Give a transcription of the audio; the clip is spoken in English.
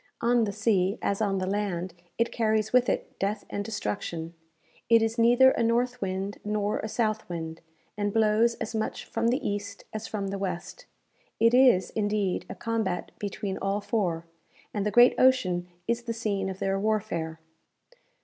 On the sea, as on the land, it carries with it death and destruction. It is neither a north wind nor a south wind, and blows as much from the east as from the west. It is, indeed, a combat between all four, and the great ocean is the scene of their warfare.